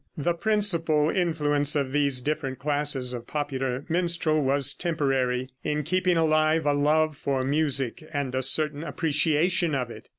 ] The principal influence of these different classes of popular minstrel was temporary, in keeping alive a love for music and a certain appreciation of it.